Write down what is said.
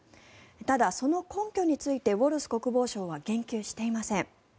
ただ、その根拠についてウォレス国防相は言及していました。